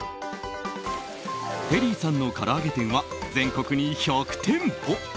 テリーさんのから揚げ店は全国に１００店舗。